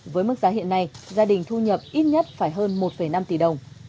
với mức giá hiện nay gia đình thu nhập ít nhất phải hơn một năm tỷ đồng